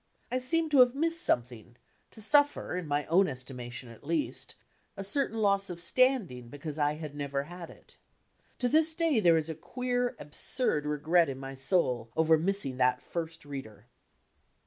I seemed to have missed something, to suffer, in my own esdmation, at least, a ceruin loss of standing because I had never had it. To this day there is a queer, absurd regret in my soul over missing that First Reader.